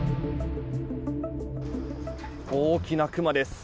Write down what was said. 大きなクマです。